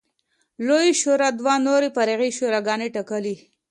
لویې شورا دوه نورې فرعي شوراګانې ټاکلې